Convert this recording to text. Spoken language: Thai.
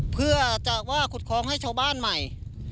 เพื่อจะว่าขุดคล้องให้ชาวบ้านใหม่